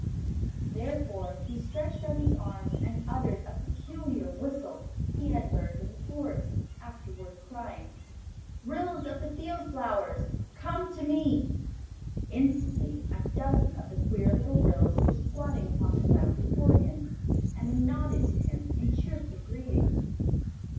Therefore he stretched out his arms and uttered a peculiar whistle he had learned in the Forest, afterward crying: "Ryls of the Field Flowers come to me!" Instantly a dozen of the queer little Ryls were squatting upon the ground before him, and they nodded to him in cheerful greeting.